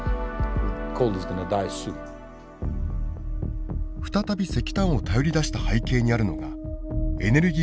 再び石炭を頼りだした背景にあるのがエネルギー危機です。